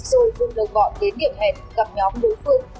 rồi vương đồng gọi đến điểm hẹn gặp nhóm đối phương